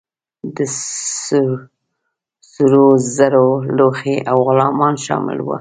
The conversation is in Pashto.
د سرو زرو لوښي او غلامان شامل وه.